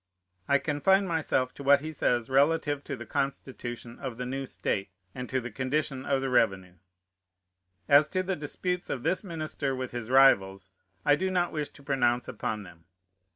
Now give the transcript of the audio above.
I confine myself to what he says relative to the Constitution of the new state, and to the condition of the revenue. As to the disputes of this minister with his rivals, I do not wish to pronounce upon them.